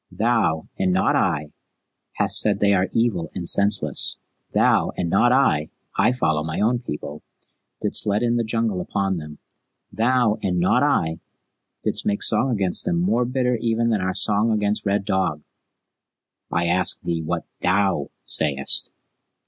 Thou, and not I, hast said that they are evil and senseless. Thou, and not I I follow my own people didst let in the Jungle upon them. Thou, and not I, didst make song against them more bitter even than our song against Red Dog." "I ask thee what THOU sayest?"